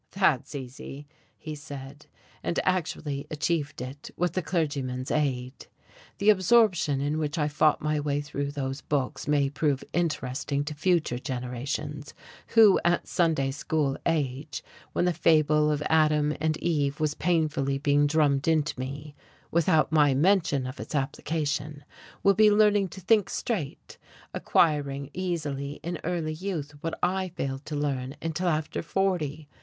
"That's easy," he said, and actually achieved it, with the clergyman's aid. The absorption in which I fought my way through those books may prove interesting to future generations, who, at Sunday school age, when the fable of Adam and Eve was painfully being drummed into me (without any mention of its application), will be learning to think straight, acquiring easily in early youth what I failed to learn until after forty.